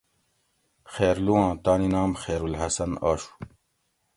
خیرلوآں تانی نام خیرالحسن آشو